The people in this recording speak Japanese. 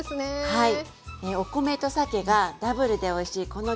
はい。